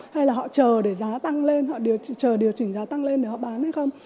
hay là họ chờ để giá tăng lên họ chờ điều chỉnh giá tăng lên để họ bán hay không